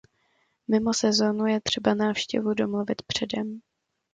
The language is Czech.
Mimo sezónu je třeba návštěvu domluvit předem.